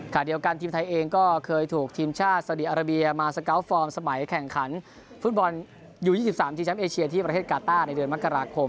เดียวกันทีมไทยเองก็เคยถูกทีมชาติสดีอาราเบียมาสเกาะฟอร์มสมัยแข่งขันฟุตบอลยู๒๓ที่แชมป์เอเชียที่ประเทศกาต้าในเดือนมกราคม